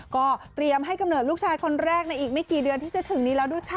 ก็เตรียมให้กำเนิดลูกชายคนแรกในอีกไม่กี่เดือนที่จะถึงนี้แล้วด้วยค่ะ